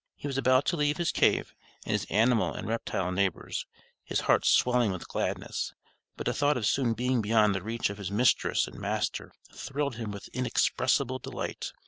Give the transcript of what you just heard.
He was about to leave his cave and his animal and reptile neighbors, his heart swelling with gladness, but the thought of soon being beyond the reach of his mistress and master thrilled him with inexpressible delight.